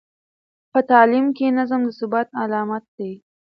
په تعلیم کې نظم د ثبات علامت دی.